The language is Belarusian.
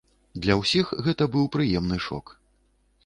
Для ўсіх гэта быў прыемны шок.